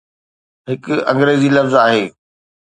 هڪ انگريزي لفظ آهي.